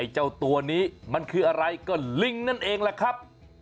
เจ้าตัวนี้มันคืออะไรก็ลิงนั่นเองแหละครับ